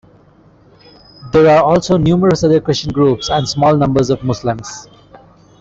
There are also numerous other Christian groups and small numbers of Muslims.